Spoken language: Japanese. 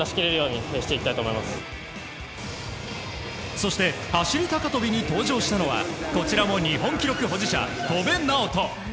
そして走り高跳びに登場したのはこちらも日本記録保持者戸邉直人。